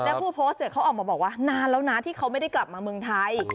แล้วผู้โพสต์เนี่ยเขาออกมาบอกว่านานแล้วนะที่เขาไม่ได้กลับมาเมืองไทย